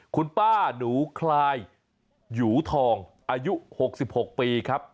คุณป้าหนูคลายหยูทองอายุ๖๖ปีครับ